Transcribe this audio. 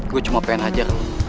gue cuma pengen hajar lu